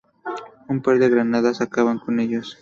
Un par de granadas acaban con ellos.